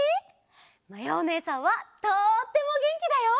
まやおねえさんはとってもげんきだよ。